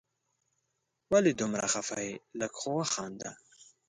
ولي دومره خفه یې ؟ لږ خو وخانده